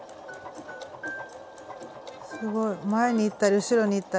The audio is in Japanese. すごい前に行ったり後ろに行ったり。